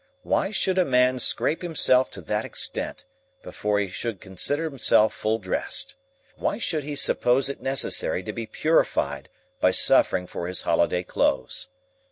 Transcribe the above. Why should a man scrape himself to that extent, before he could consider himself full dressed? Why should he suppose it necessary to be purified by suffering for his holiday clothes?